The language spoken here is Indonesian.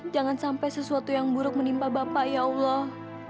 jangan sampai sesuatu yang buruk menimpa bapak ya allah